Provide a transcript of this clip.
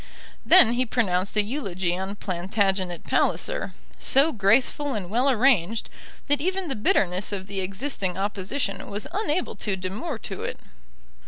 Then he pronounced a eulogy on Plantagenet Palliser, so graceful and well arranged, that even the bitterness of the existing opposition was unable to demur to it.